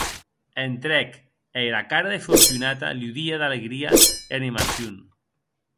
Entrèc, e era cara de Fortunata ludie d’alegria e animacion.